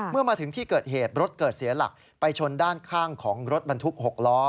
เมื่อมาถึงที่เกิดเหตุรถเกิดเสียหลักไปชนด้านข้างของรถบรรทุก๖ล้อ